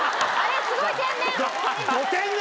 すごい天然！